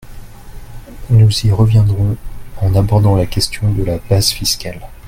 Nous y reviendrons en abordant la question de la base fiscale.